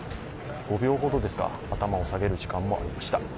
５秒ほどですか、頭を下げる時間もありました。